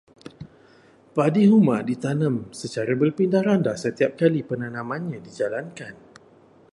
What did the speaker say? Padi huma ditanam secara berpindah-randah setiap kali penanaman dijalankan.